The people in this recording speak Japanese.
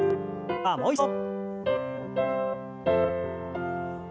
さあもう一度。